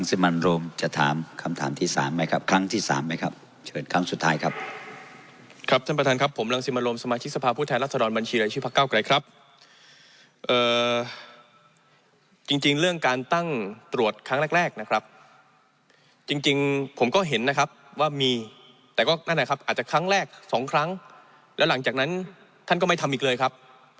เอ่อจริงจริงเรื่องการตั้งตรวจครั้งแรกแรกนะครับจริงจริงผมก็เห็นนะครับว่ามีแต่ก็นั่นแหละครับอาจจะครั้งแรกสองครั้งแล้วหลังจากนั้นท่านก็ไม่ทำอีกเลยครับ